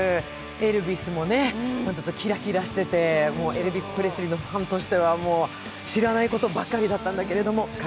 「エルヴィス」もキラキラしてて、エルヴィス・プレスリーのファンとしては知らないことばっかりだったんだけど。